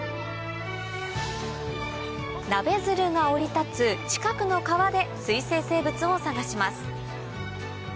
ナベヅルが降り立つ近くの川で水生生物を探します